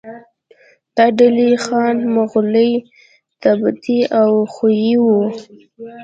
دا ډلې خان، مغولي، تبتي او خویي وو.